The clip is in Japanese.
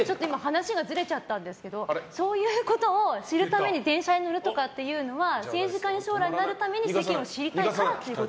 話がずれちゃったんですけどそういうことを知るために電車に乗るっていうことは政治家に将来なるために世間を知りたいかという。